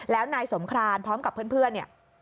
แล้วนายสงครานพร้อมกับเพื่อนเนี่ย